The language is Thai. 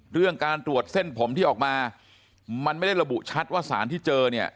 เรื่องการตรวจเส้นผมที่ออกมามันไม่ได้ระบุชัดว่าสารที่เจอเนี่ย